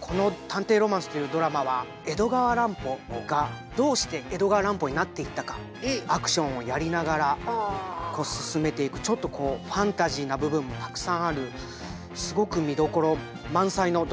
この「探偵ロマンス」というドラマは江戸川乱歩がどうして江戸川乱歩になっていったかアクションをやりながら進めていくちょっとファンタジーな部分もたくさんあるすごく見どころ満載のドラマとなっております。